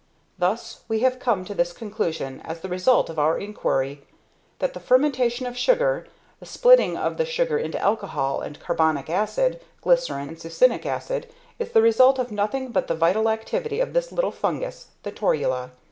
Thus we have come to this conclusion, as the result of our inquiry, that the fermentation of sugar, the splitting of the sugar into alcohol and carbonic acid, glycerine, and succinic acid, is the result of nothing but the vital activity of this little fungus, the torula.